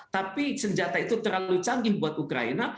tapi senjata itu terlalu canggih buat ukraina